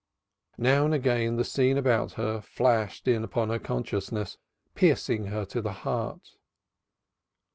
Now and again the scene about her flashed in upon her consciousness, piercing her to the heart.